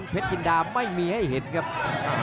อื้อหือจังหวะขวางแล้วพยายามจะเล่นงานด้วยซอกแต่วงใน